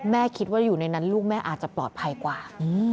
คิดว่าอยู่ในนั้นลูกแม่อาจจะปลอดภัยกว่า